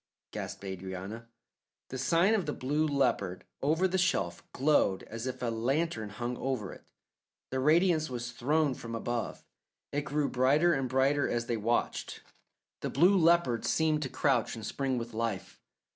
gasped Adrianna. The sign of the Blue Leopard over the shelf glowed as if a lantern hung over it. The radiance was thrown from above. It grew brighter and brighter as they watched. The Blue Leopard seemed to crouch and spring with life.